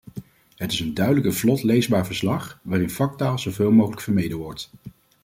Het is een duidelijk en vlot leesbaar verslag, waarin vaktaal zoveel mogelijk vermeden wordt.